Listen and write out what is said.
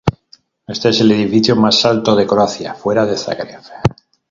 Este es el edificio más alto de Croacia fuera de Zagreb.